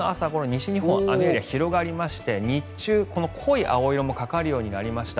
西日本では雨エリア広がりまして日中、この濃い青色もかかるようになりました。